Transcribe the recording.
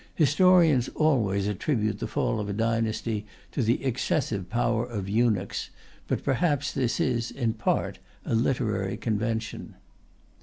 Historians always attribute the fall of a dynasty to the excessive power of eunuchs, but perhaps this is, in part, a literary convention.